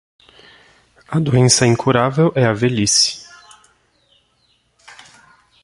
A doença incurável é a velhice.